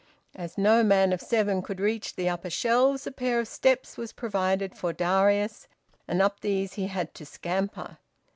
As no man of seven could reach the upper shelves, a pair of steps was provided for Darius, and up these he had to scamper.